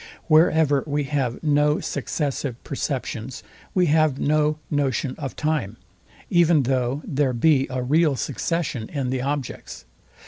Wherever we have no successive perceptions, we have no notion of time, even though there be a real succession in the objects.